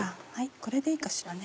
これでいいかしらね。